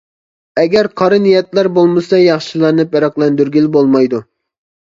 ئەگەر قارا نىيەتلەر بولمىسا ياخشىلارنى پەرقلەندۈرگىلى بولمايدۇ.